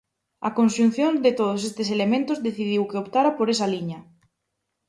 A conxunción de todos estes elementos decidiu que optara por esa liña.